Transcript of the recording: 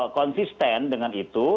konsisten dengan itu